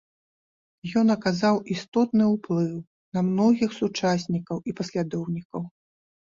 Ён аказаў істотны ўплыў на многіх сучаснікаў і паслядоўнікаў.